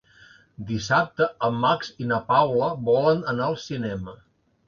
Dissabte en Max i na Paula volen anar al cinema.